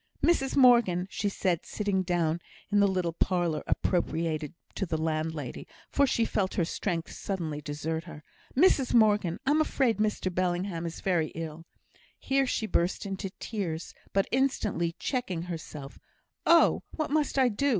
"Mrs Morgan," said she, sitting down in the little parlour appropriated to the landlady, for she felt her strength suddenly desert her "Mrs Morgan, I'm afraid Mr Bellingham is very ill;" here she burst into tears, but instantly checking herself, "Oh, what must I do?"